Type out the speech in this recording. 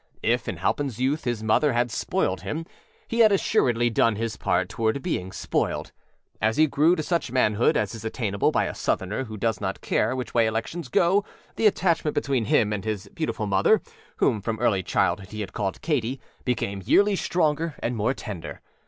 If in Halpinâs youth his mother had âspoiledâ him, he had assuredly done his part toward being spoiled. As he grew to such manhood as is attainable by a Southerner who does not care which way elections go the attachment between him and his beautiful motherâwhom from early childhood he had called Katyâbecame yearly stronger and more tender.